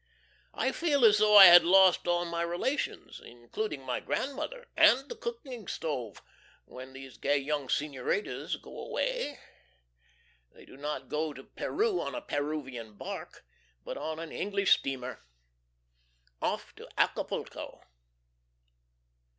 I feel as though I had lost all my relations, including my grandmother and the cooking stove when these gay young Senoritas go away. They do not go to Peru on a Peruvian bark, but on an English steamer. Off to Acapulco.